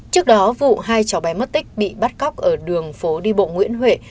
trước đó vụ hai cháu bé mất tích bị bắt cóc ở đường phố đi bộ nguyễn huệ